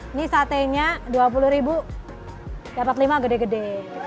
ini satenya dua puluh dapat lima gede gede